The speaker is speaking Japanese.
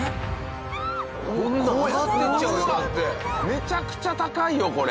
めちゃくちゃ高いよこれ。